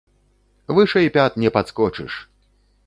Вышэй пят не падскочыш!